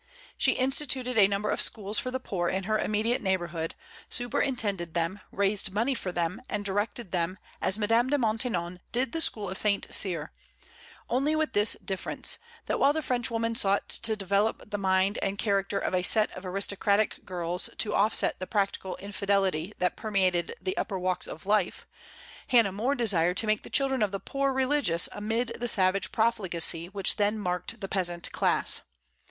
She instituted a number of schools for the poor in her immediate neighborhood, superintended them, raised money for them, and directed them, as Madame de Maintenon did the school of St. Cyr; only with this difference, that while the Frenchwoman sought to develop the mind and character of a set of aristocratic girls to offset the practical infidelity that permeated the upper walks of life, Hannah More desired to make the children of the poor religious amid the savage profligacy which then marked the peasant class.